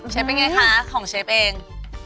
เชฟเป็นอย่าคะของเชฟเอง